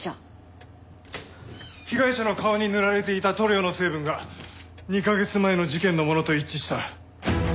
被害者の顔に塗られていた塗料の成分が２カ月前の事件のものと一致した。